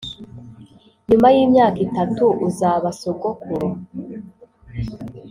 nyuma yimyaka itatu, uzaba sogokuru